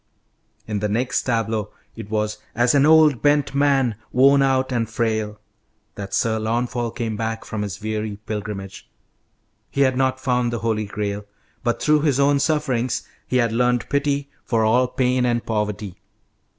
In the next tableau it was "as an old bent man, worn out and frail," that Sir Launfal came back from his weary pilgrimage. He had not found the Holy Grail, but through his own sufferings he had learned pity for all pain and poverty.